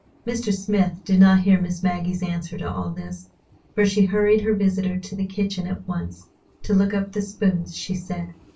Mr. Smith did not hear Miss Maggie's answer to all this, for she hurried her visitor to the kitchen at once to look up the spoons, she said.